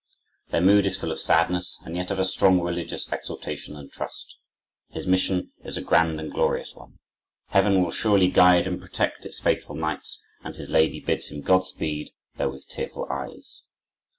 Their mood is full of sadness and yet of a strong, religious exultation and trust. His mission is a grand and glorious one. Heaven will surely guide and protect its faithful knights, and his lady bids him Godspeed, though with tearful eyes.